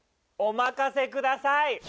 お任せください。